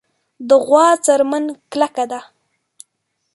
د غوا څرمن کلکه ده.